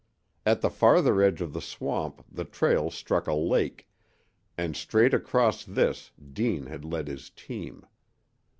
At the farther edge of the swamp the trail struck a lake, and straight across this Deane had led his team.